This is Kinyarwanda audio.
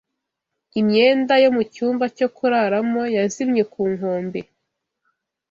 Imyenda yo mucyumba cyo kuraramo yazimye ku nkombe